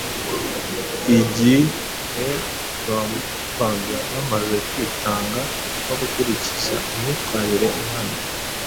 ighe babaga bamaze kwitanga no gukurikiza imyitwarire ihamye,